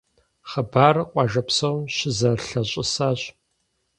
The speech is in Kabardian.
Хъыбарыр къуажэ псом щызэлъащӀысащ.